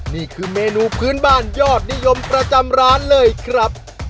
นี่คือเมนูพื้นบ้านยอดนิยมประจำร้านเลยครับ